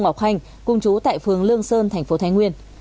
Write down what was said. ngọc nguyên và ngọc hành cùng chú tại phường lương sơn thành phố thái nguyên